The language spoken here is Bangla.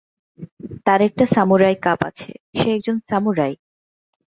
তার একটা সামুরাই কাপ আছে, সে একজন সামুরাই!